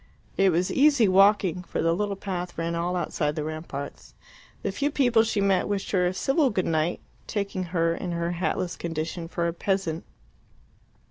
It was easy walking, for a little path ran all outside the ramparts. The few people she met wished her a civil good night, taking her, in her hatless condition, for a peasant.